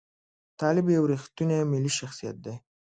طالب یو ریښتونی ملي شخصیت دی.